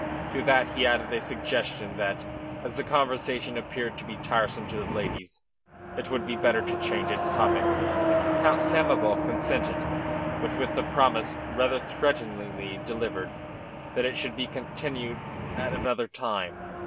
To that he added a suggestion that, as the conversation appeared to be tiresome to the ladies, it would be better to change its topic. Count Samoval consented, but with the promise, rather threateningly delivered, that it should be continued at another time.